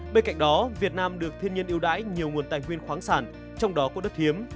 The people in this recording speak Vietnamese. bên cạnh đó việt nam được thiên nhiên yêu đái nhiều nguồn tài nguyên khoáng sản trong đó có đất hiếm